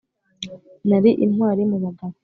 nari intwari mubagabo ...